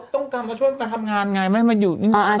ต้องกลับมาช่วยไปทำงานไงไม่อยู่กัน